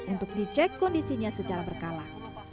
untuk dicek kondisinya secara berkala